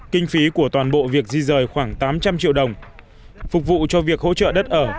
kinh phí của toàn bộ việc di rời khoảng tám trăm linh triệu đồng phục vụ cho việc hỗ trợ đất ở